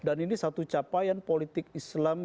dan ini satu capaian politik islam